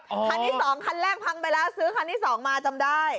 คันที่๒คันแรกพังไปแล้วซื้อคันที่๒มาจำได้